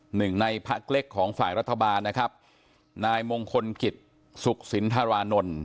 หนึ่งในพักเล็กของฝ่ายรัฐบาลนะครับนายมงคลกิจสุขสินธารานนท์